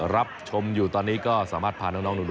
รับชมอยู่ตอนนี้ก็สามารถพาน้องหนู